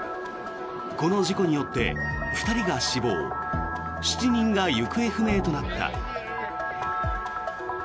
この事故によって２人が死亡７人が行方不明となった。